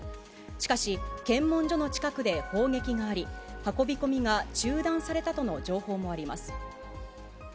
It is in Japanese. しかし、検問所の近くで砲撃があり、運び込みが中断されたとの情報もあります。